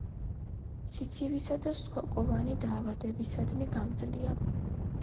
სიცივისა და სოკოვანი დაავადებისადმი გამძლეა.